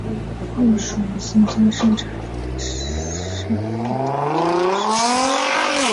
隶属于新疆生产建设兵团第十三师。